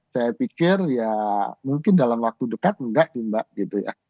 saya pikir ya mungkin dalam waktu dekat enggak sih mbak gitu ya